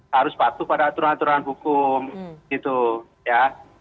harus patuh pada aturan aturan hukum gitu ya